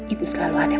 ibu selalu ada buat kamu